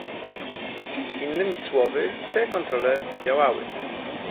Innymi słowy, te kontrole zadziałały